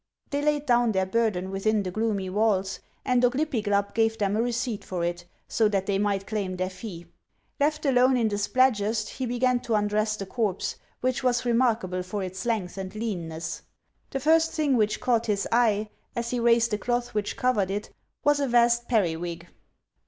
They laid down their burden within the gloomy walls, and Oglypiglap gave them a receipt for it, so that they might claim their fee. Left alone in the Spladgest, he began to undress the corpse, which was remarkable for its length and leanness. The first thing which caught his eye as he raised the cloth which covered it was a vast periwig.